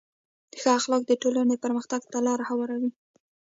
ښه اخلاق د ټولنې پرمختګ ته لاره هواروي.